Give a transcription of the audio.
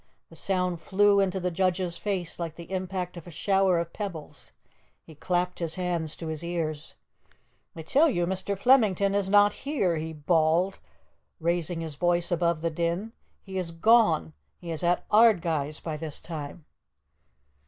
The sound flew into the judge's face like the impact of a shower of pebbles. He clapped his hands to his ears. "I tell you Mr. Flemington is not here!" he bawled, raising his voice above the din. "He is gone. He is at Ardguys by this time."